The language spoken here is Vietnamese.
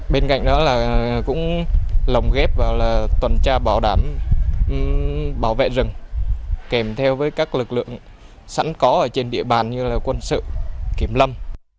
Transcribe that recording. bên cạnh đó là cũng lồng ghép vào là tuần tra bảo đảm bảo vệ rừng kèm theo với các lực lượng sẵn có ở trên địa bàn như quân sự kiểm lâm